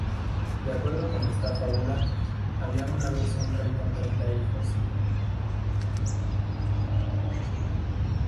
De acuerdo con esta fábula había una vez un rey con treinta hijos.